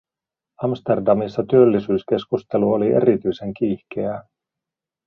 Amsterdamissa työllisyyskeskustelu oli erityisen kiihkeää.